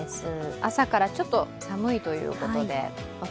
朝からちょっと寒いということでお布団